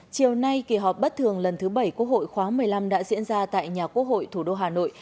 chiều nay kỳ họp bất thường lần thứ bảy quốc hội khóa một mươi năm đã diễn ra tại nhà quốc hội thủ đô hà nội